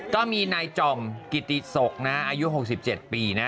ก็มีนายจ่อมกิติศกนะอายุ๖๗ปีนะ